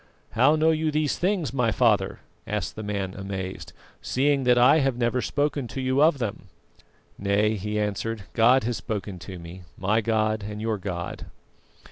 "How know you these things, my father," asked the man amazed, "seeing that I have never spoken to you of them?" "Nay," he answered, "God has spoken to me. My God and your God."